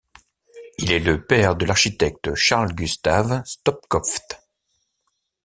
Il est le père de l’architecte Charles-Gustave Stoskopf.